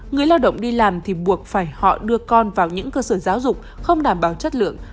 người lao động đi làm thì buộc phải họ đưa con vào những cơ sở giáo dục không đảm bảo chất lượng